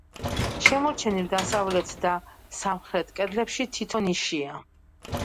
შემორჩენილ დასავლეთ და სამხრეთ კედლებში თითო ნიშია.